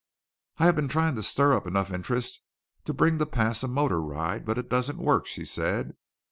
"I have been trying to stir up enough interest to bring to pass a motor ride, but it doesn't work," she said.